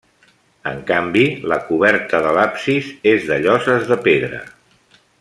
En canvi la coberta de l'absis és de lloses de pedra.